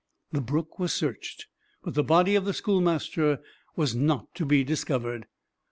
The brook was searched, but the body of the schoolmaster was not to be discovered.